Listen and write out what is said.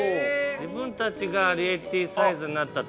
◆自分たちがアリエッティサイズになったと。